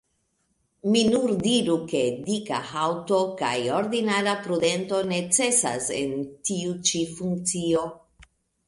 Mi diru nur, ke dika haŭto kaj ordinara prudento necesas en tiu ĉi funkcio.